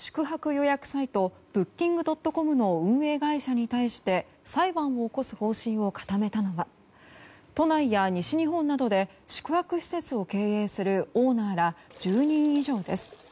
予約サイトブッキングドットコムの運営会社に対して裁判を起こす方針を固めたのは都内や西日本などで宿泊施設を経営するオーナーら、１０人以上です。